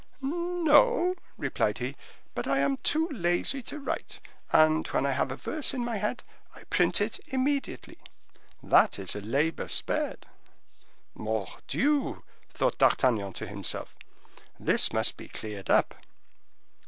"No," replied he; "but I am too lazy to write, and when I have a verse in my head, I print it immediately. That is a labor spared." "Mordioux!" thought D'Artagnan to himself, "this must be cleared up."